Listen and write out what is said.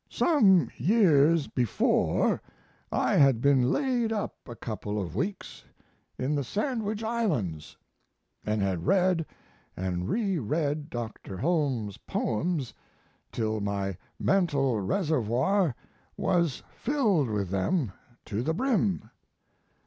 Some years before I had been laid up a couple of weeks in the Sandwich Islands, and had read and reread Dr. Holmes's poems till my mental reservoir was filled with them to the brim.